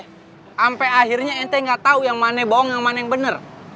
sampai akhirnya ente nggak tau yang mana bohong yang mana yang bener